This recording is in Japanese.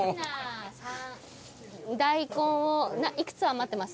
大根を幾つ余ってます？